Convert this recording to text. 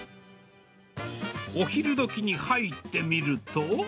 お昼どきに入ってみると。